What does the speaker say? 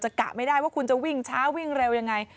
กะไม่ได้ว่าคุณจะวิ่งช้าวิ่งเร็วยังไง